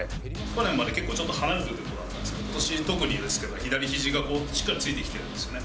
去年までちょっと離れることが、ことし特にですけど、左ひじが、しっかりついてきてるんですよね。